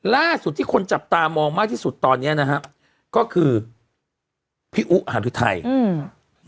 ล่าสุดที่คนจับตามองมากที่สุดตอนเนี้ยนะฮะก็คือพี่อุหารุทัยอืม